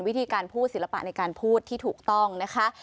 วิธีการพูดศิลปะในการพูดที่ถูกต้องนะคะ